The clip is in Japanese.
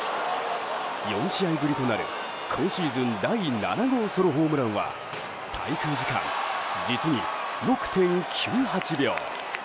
４試合ぶりとなる今シーズン第７号ソロホームランは滞空時間、実に６．９８秒。